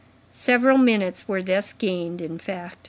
Several minutes were thus gained, in fact.